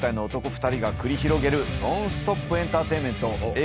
２人が繰り広げるノンストップエンターテインメント映画